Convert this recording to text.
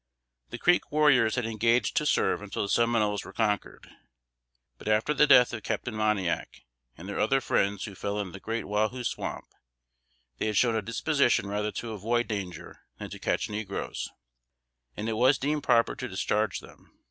The Creek warriors had engaged to serve until the Seminoles were conquered; but after the death of Captain Moniac, and their other friends who fell in the Great Wahoo Swamp, they had shown a disposition rather to avoid danger than to catch negroes; and it was deemed proper to discharge them.